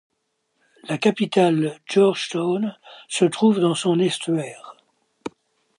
La capitale, Georgetown, se trouve dans son estuaire.